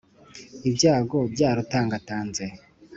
Ibyago byarutangatanze